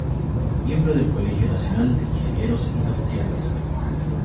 Miembro del Colegio Nacional de Ingenieros Industriales.